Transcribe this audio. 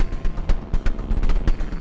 ya aku harus berhasil